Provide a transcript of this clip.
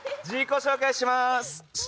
自己紹介します！